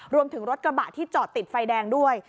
รวมถึงรถกระบะที่จอดติดไฟแดงด้วย